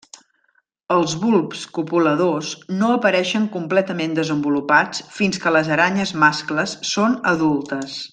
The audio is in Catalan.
Els bulbs copuladors no apareixen completament desenvolupats fins que les aranyes mascles són adultes.